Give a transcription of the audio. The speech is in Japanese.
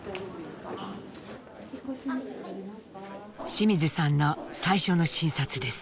清水さんの最初の診察です。